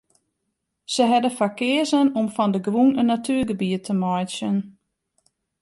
Sy hawwe der foar keazen om fan de grûn in natuergebiet te meitsjen.